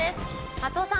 松尾さん。